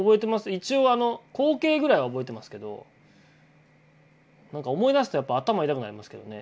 一応あの光景ぐらいは覚えてますけどなんか思い出すとやっぱ頭痛くなりますけどね。